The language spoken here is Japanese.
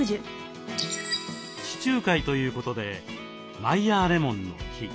地中海ということでマイヤーレモンの木。